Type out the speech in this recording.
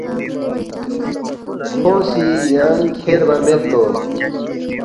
کھو سی یانگ کھیربا میدلو